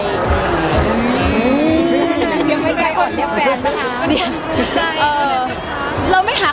ยังไม่ใช่อ่อนหรือแหวนนะคะ